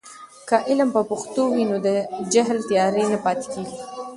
که علم په پښتو وي، نو د جهل تیارې نه پاتې کېږي.